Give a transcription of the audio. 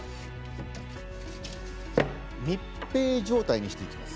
密閉状態にしていきます。